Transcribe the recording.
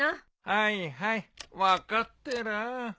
はいはい分かってらあ！